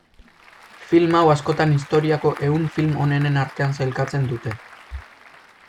Film hau askotan historiako ehun film onenen artean sailkatzen dute.